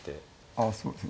ああそうですね